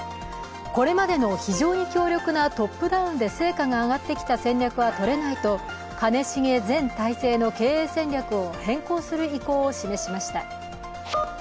これまでの非常に強力なトップダウンで成果が上がってきた戦略はとれないと兼重前体制の経営戦略を変更する意向を示しました。